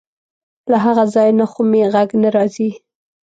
له هغه ځای نه خو مې غږ نه راځي.